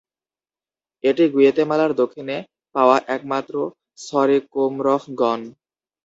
এটি গুয়াতেমালার দক্ষিণে পাওয়া একমাত্র সরিকোমরফ গণ।